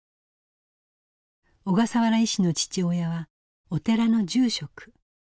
小笠原医師の父親はお寺の住職。